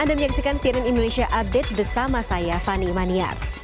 anda menyaksikan cnn indonesia update bersama saya fani maniar